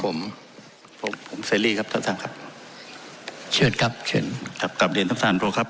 ผมผมครับครับครับครับครับครับครับครับครับครับ